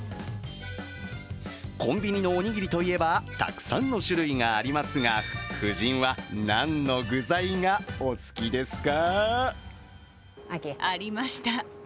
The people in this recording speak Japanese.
コンビニのおにぎりと言えばたくさんの種類がありますが夫人は何の具材がお好きですか？